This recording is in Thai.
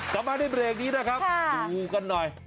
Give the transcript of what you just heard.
กลับมาในเบรกนี้นะครับดูกันหน่อย